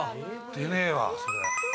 出ねえわそれ。